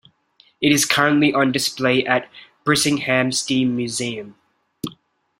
It is currently on display at Bressingham Steam Museum.